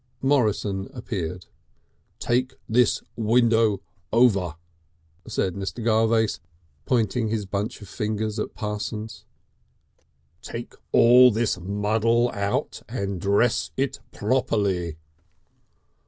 Morrison appeared. "Take this window over," said Mr. Garvace pointing his bunch of fingers at Parsons. "Take all this muddle out and dress it properly."